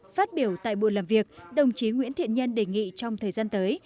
phát biểu tại buổi làm việc đồng chí nguyễn thiện nhân đề nghị trong thời gian tới